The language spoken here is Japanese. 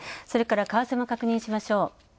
それから為替も確認しましょう。